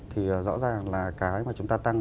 thì rõ ràng là cái mà chúng ta tăng